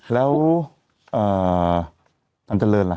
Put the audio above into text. แล้วอันเจริญล่ะ